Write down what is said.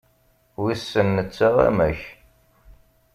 Wissen netta amek.